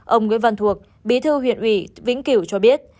ông nguyễn văn thuộc bí thư huyện ủy vĩnh kiểu cho biết